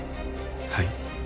はい。